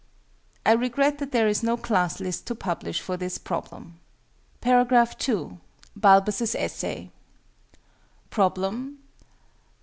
I regret that there is no Class list to publish for this Problem. § 2. BALBUS' ESSAY. _Problem.